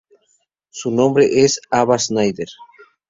Su nombre es Ava Schneider.